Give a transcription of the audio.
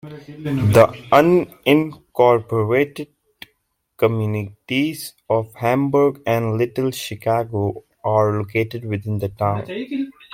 The unincorporated communities of Hamburg and Little Chicago are located within the town.